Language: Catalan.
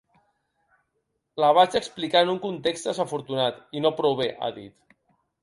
La vaig explicar en un context desafortunat i no prou bé, ha dit.